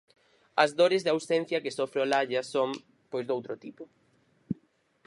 As dores de ausencia que sofre Olalla son, pois, doutro tipo.